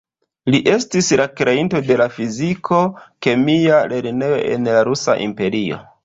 Li estis la kreinto de la fiziko-kemia lernejo en la Rusa Imperio.